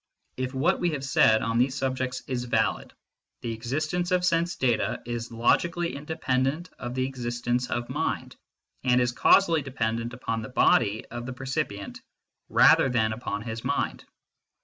If what we have said on these subjects is valid, the existence of sense data is logically independent of the existence of mind, and is causally dependent upon the body of the percipient rather than upon his mind.